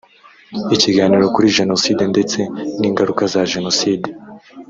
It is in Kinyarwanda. ikiganiro kuri jenoside ndetse n’ingaruka za jenoside